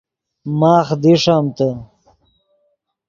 ماخ دیݰمتے